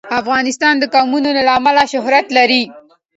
افغانستان د قومونه له امله شهرت لري.